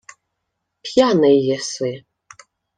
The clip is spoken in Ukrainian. — П'яний єси.